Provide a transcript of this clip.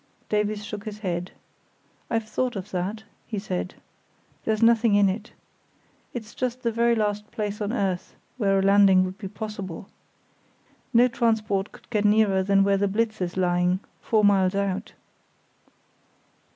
Davies shook his head. "I've thought of that," he said. "There's nothing in it. It's just the very last place on earth where a landing would be possible. No transport could get nearer than where the Blitz is lying, four miles out."